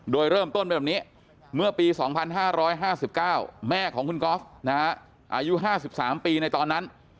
โดยเริ่มต้นเป็นแบบนี้เมื่อปี๒๕๕๙แม่ของคุณก๊อฟอายุ๕๓ปีในตอนนั้น